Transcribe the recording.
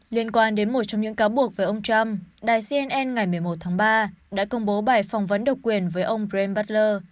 liên quan đến một trong những cáo buộc với ông trump đài cnn ngày một mươi một tháng ba đã công bố bài phỏng vấn độc quyền với ông brem batler